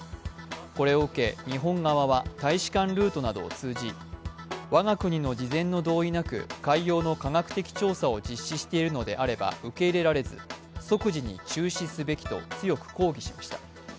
これを受け日本側は大使館ルートなどを通じ、我が国の事前の同意なく海洋の科学的調査を実施しているのであれば受け入れらず、即事に中止すべきと強く抗議しました。